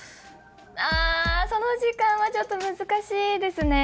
あその時間はちょっと難しいですね。